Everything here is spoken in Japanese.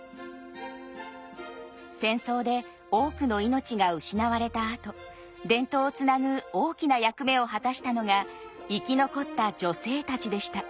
戦争で多くの命が失われたあと伝統をつなぐ大きな役目を果たしたのが生き残った女性たちでした。